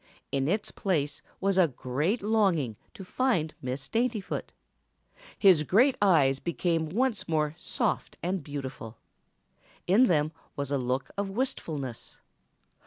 In its place was a great longing to find Miss Daintyfoot. His great eyes became once more soft and beautiful. In them was a look of wistfulness.